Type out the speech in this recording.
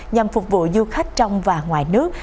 nhằm phục vụ du khách trong và ngoài nước